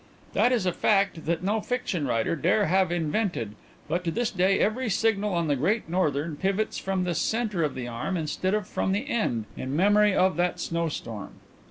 That is a fact that no fiction writer dare have invented, but to this day every signal on the Great Northern pivots from the centre of the arm instead of from the end, in memory of that snowstorm."